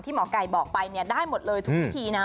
หมอไก่บอกไปได้หมดเลยทุกวิธีนะ